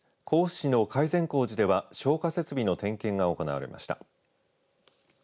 甲府市の甲斐善光寺では消火設備の点検が行われました。